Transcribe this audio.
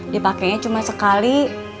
dipakenya cuma sekali